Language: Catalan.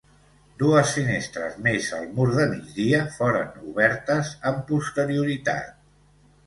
Dues finestres més al mur de migdia foren obertes amb posterioritat.